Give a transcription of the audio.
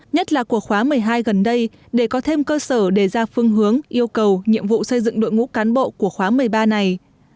nhất là của khóa một mươi hai gần đây để có thêm cơ sở để ra phương hướng yêu cầu nhiệm vụ xây dựng đội ngũ cán bộ của khóa một mươi ba này